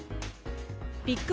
ビッグ